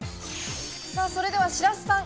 それでは白洲さん。